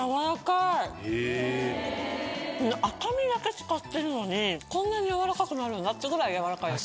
赤身だけ使ってるのにこんなにやわらかくなるんだっていうぐらいやわらかい。